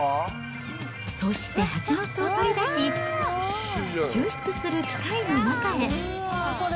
そして蜂の巣を取り出し、抽出する器械の中へ。